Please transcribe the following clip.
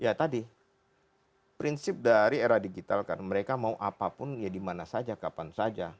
ya tadi prinsip dari era digital kan mereka mau apapun ya dimana saja kapan saja